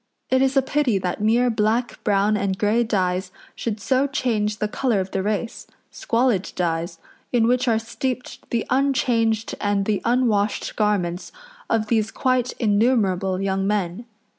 It is a pity that mere black, brown, and grey dyes should so change the colour of the race squalid dyes, in which are steeped the unchanged and the unwashed garments of these quite innumerable young men.